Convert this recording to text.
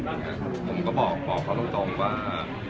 ผมก็บอกเขาตรงว่า